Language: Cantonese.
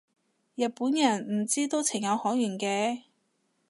日本人唔知都情有可原嘅